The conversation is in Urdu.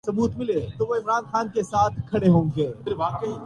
امیر معاویہ کاتبین وحی میں سے تھے